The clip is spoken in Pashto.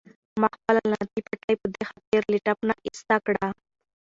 ما خپله لعنتي پټۍ په دې خاطر له ټپ نه ایسته کړه.